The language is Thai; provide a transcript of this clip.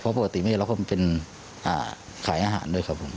เพราะปกติแม่เราก็เป็นขายอาหารด้วยครับผม